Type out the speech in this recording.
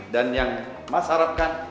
dan yang mas harapkan